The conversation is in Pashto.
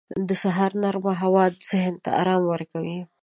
• د سهار نرمه هوا ذهن ته آرام ورکوي.